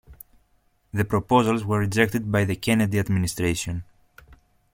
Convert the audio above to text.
The proposals were rejected by the Kennedy administration.